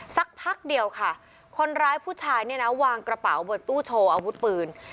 สักพักเดียวค่ะคนร้ายผู้ชายเนี่ยนะวางกระเป๋าบนตู้โชว์อาวุธปืน